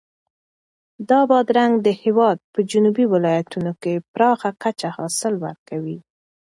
دا بادرنګ د هېواد په جنوبي ولایتونو کې په پراخه کچه حاصل ورکوي.